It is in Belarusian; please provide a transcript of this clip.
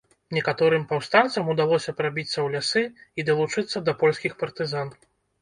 Некаторым паўстанцам удалося прабіцца ў лясы і далучыцца да польскіх партызан.